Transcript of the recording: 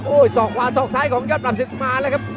โอ้ย๒ขวา๒ซ้ายของยอดปรับศึกมาแล้วครับ